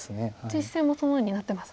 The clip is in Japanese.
実戦もそのようになってますね。